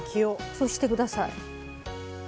そうして下さい。